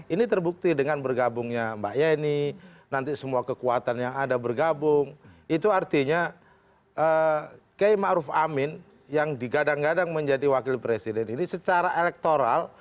ini terbukti dengan bergabungnya mbak yeni nanti semua kekuatan yang ada bergabung itu artinya kiai ⁇ maruf ⁇ amin yang digadang gadang menjadi wakil presiden ini secara elektoral